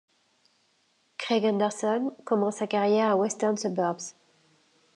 Craig Henderson commence sa carrière à Western Suburbs.